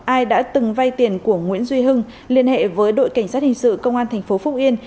ai đã từng vay tiền của nguyễn duy hưng liên hệ với đội cảnh sát hình sự công an thành phố phúc yên